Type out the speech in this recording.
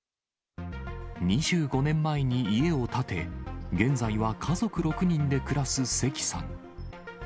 ２５年前に家を建て、現在は家族６人で暮らす関さん。